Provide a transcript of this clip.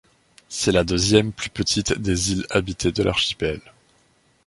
C'est la deuxième plus petite des îles habitées de l'archipel.